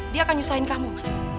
dia akan nyusahin kamu mas